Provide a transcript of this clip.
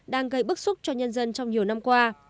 đang gây bức xúc cho nhân dân trong nhiều năm qua